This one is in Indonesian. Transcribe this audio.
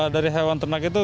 dari hewan ternak itu